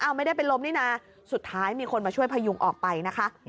ไม่ได้เป็นลมนี่นะสุดท้ายมีคนมาช่วยพยุงออกไปนะคะ